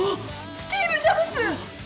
スティーブ・ジャブス！